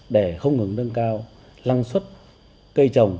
để không ngừng nâng cao lăng xuất cây trồng